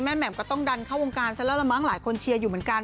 แหม่มก็ต้องดันเข้าวงการซะแล้วละมั้งหลายคนเชียร์อยู่เหมือนกัน